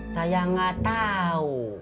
saya gak tahu